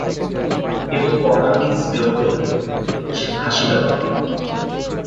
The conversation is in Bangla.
কেবল ফর্নাণ্ডিজ বিরক্ত হইল, সে হাসিল না।